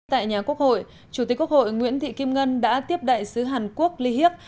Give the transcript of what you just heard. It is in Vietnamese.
tại nhà quốc hội chủ tịch quốc hội nguyễn thị kim ngân đã tiếp đại sứ hàn quốc lee hyd